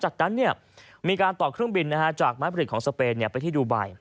จากนั้นมีการต่อเครื่องบินจากไม้ผลิตของสเปนไปที่ดูไบ